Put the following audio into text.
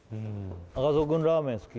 赤楚くんラーメン好き？